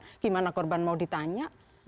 bagaimana korban mau ditanya